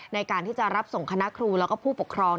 ในการที่จะรับส่งคณะครูแล้วก็ผู้ปกครอง